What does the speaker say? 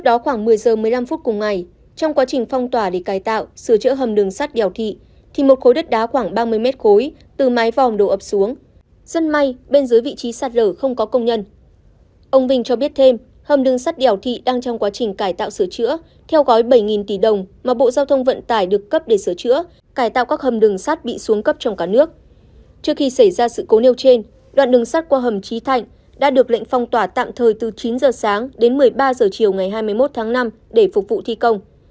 trước khi xảy ra sự cố nêu trên đoạn đường sắt qua hầm trí thạnh đã được lệnh phong tỏa tạm thời từ chín h sáng đến một mươi ba h chiều ngày hai mươi một tháng năm để phục vụ thi công